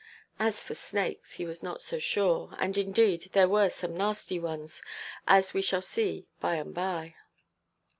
As for snakes, he was not so sure; and indeed there were some nasty ones, as we shall see by–and–by.